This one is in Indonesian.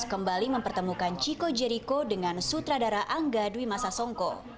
kembali mempertemukan chico jeriko dengan sutradara angga dwi masa songko